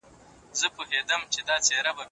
په وروسته پاته هېوادونو کي د پانګي مؤثر کارول مهم دي.